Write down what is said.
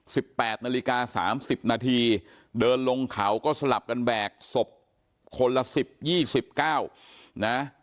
แปดนาฬิกาสามสิบนาทีเดินลงเขาก็สลับกันแบกศพคนละสิบยี่สิบเก้านะ